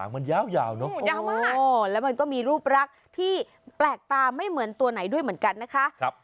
มันยาวเนอะยาวมากแล้วมันก็มีรูปรักที่แปลกตาไม่เหมือนตัวไหนด้วยเหมือนกันนะคะ